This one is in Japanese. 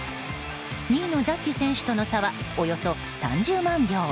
２位のジャッジ選手との差はおよそ３０万票。